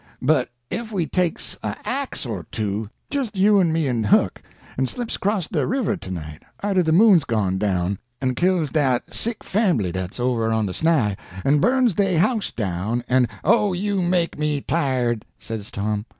But ef we takes a' axe or two, jist you en me en Huck, en slips acrost de river to night arter de moon's gone down, en kills dat sick fam'ly dat's over on the Sny, en burns dey house down, en—" "Oh, you make me tired!" says Tom.